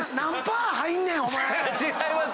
違います